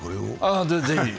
ぜひ。